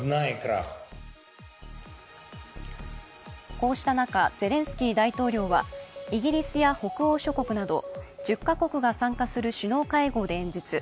こうした中、ゼレンスキー大統領はイギリスや北欧諸国など１０か国が参加する首脳会合で演説。